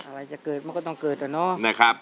อะไรจะเกิดมันก็ต้องเกิดอะเนาะนะครับ